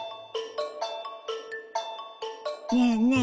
ねえねえ